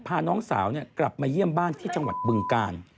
พาน้องสาวเนี้ยกลับมาเยี่ยมบ้านที่ชาวัดบึงกาล